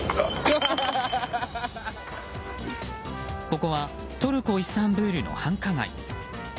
ここはトルコ・イスタンブールの繁華街。